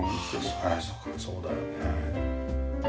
そうかそうかそうだよね。